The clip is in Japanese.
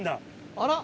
あら。